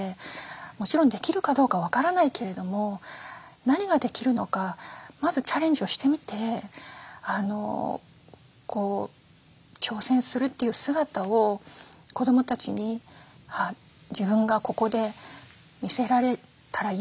もちろんできるかどうか分からないけれども何ができるのかまずチャレンジをしてみて挑戦するという姿を子どもたちに自分がここで見せられたらいいなと。